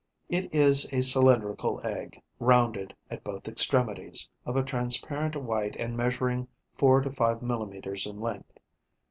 It is a cylindrical egg, rounded at both extremities, of a transparent white and measuring four to five millimetres in length.